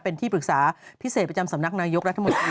เป็นที่ปรึกษาพิเศษประจำสำนักนายกรัฐมนตรี